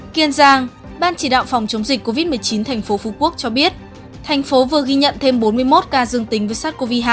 kiên giang ban chỉ đạo phòng chống dịch covid một mươi chín tp phú quốc cho biết thành phố vừa ghi nhận thêm bốn mươi một ca dương tính với sát covid hai